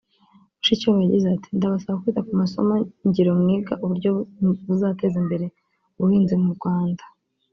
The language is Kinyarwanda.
Mushikiwabo yagize ati “Ndabasaba kwita ku masomo ngiro mwiga uburyo buzateza imbere ubuhinzi mu Rwanda